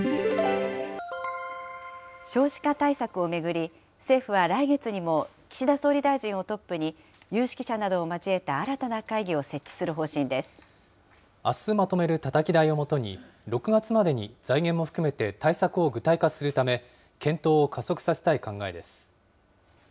少子化対策を巡り、政府は来月にも、岸田総理大臣をトップに有識者などを交えた新たな会議を設置するあすまとめるたたき台をもとに、６月までに財源も含めて対策を具体化するため、検討を加速させたい考えです。